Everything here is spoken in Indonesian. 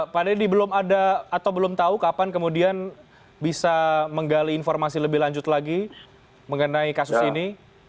pak deddy belum ada atau belum tahu kapan kemudian bisa menggali informasi lebih lanjut lagi mengenai kasus ini